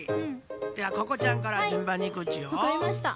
ではここちゃんからじゅんばんにいくっちよ。